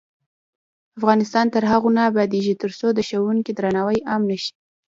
افغانستان تر هغو نه ابادیږي، ترڅو د ښوونکي درناوی عام نشي.